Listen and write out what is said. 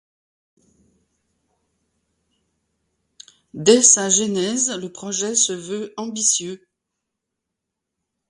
Dès sa genèse, le projet se veut ambitieux.